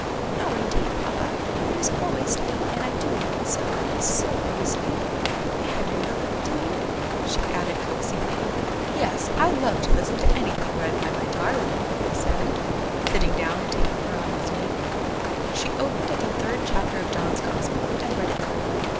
"No, indeed, papa; it is always new, and I do love it so; it is so very sweet. May I read a little to you?" she added coaxingly. "Yes, I love to listen to anything read by my darling," he said, sitting down and taking her on his knee. She opened at the third chapter of John's Gospel and read it through.